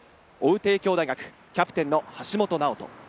追う帝京大学キャプテンの橋本尚斗。